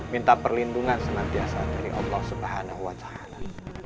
minta perlindungan senantiasa dari allah subhanahu wa ta'ala